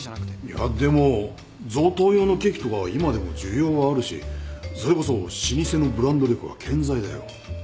いやでも贈答用のケーキとかは今でも需要はあるしそれこそ老舗のブランド力は健在だよ。